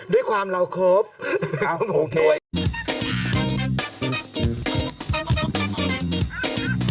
ด้วยความเป็นเราครบ